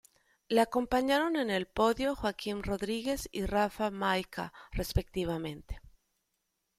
Le acompañaron en el podio Joaquim Rodríguez y Rafał Majka, respectivamente.